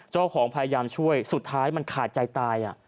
พยายามช่วยสุดท้ายมันขาดใจตาย